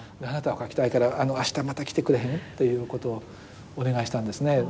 あなたを描きたいからあしたまた来てくれへん？ということをお願いしたんですね。